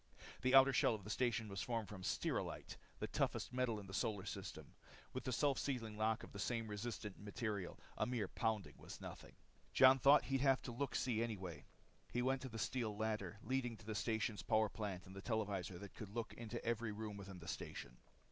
The outer shell of the station was formed from stelrylite, the toughest metal in the solar system. With the self sealing lock of the same resistant material, a mere pounding was nothing. Jon thought he'd have a look see anyway. He went up the steel ladder leading to the station's power plant and the televisor that could look into every room within the station.